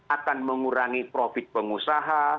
akan mengurangi profit pengusaha